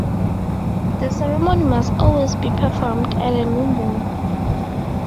The ceremony must always be performed at the new moon.